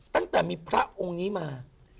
ตั้งแต่มีพระองค์นี้มา